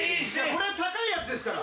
これ高いやつですから。